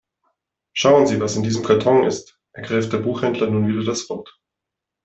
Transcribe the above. Schauen Sie, was in diesem Karton ist, ergriff der Buchhändler nun wieder das Wort.